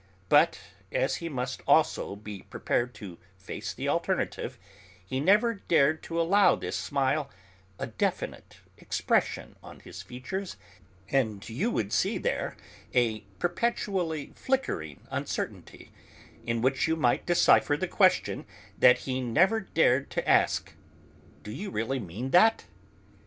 But as he must also be prepared to face the alternative, he never dared to allow this smile a definite expression on his features, and you would see there a perpetually flickering uncertainty, in which you might decipher the question that he never dared to ask: "Do you really mean that?"